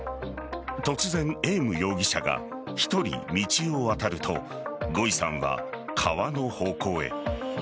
突然、エーム容疑者が１人、道を渡るとゴイさんは川の方向へ。